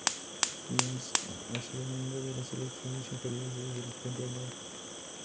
Hines ha sido miembro de las selecciones inferiores de desde temprana edad.